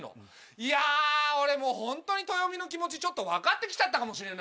いや俺もうホントに豊美の気持ちちょっと分かって来ちゃったかもしれない。